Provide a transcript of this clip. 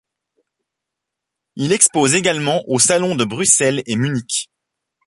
Il expose également aux salons de Bruxelles et Munich.